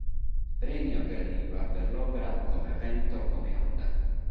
Premio Gradiva per l'opera "Come vento, come onda".